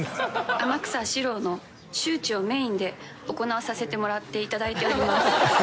天草四郎の周知をメインで行わさせてもらっていただいております。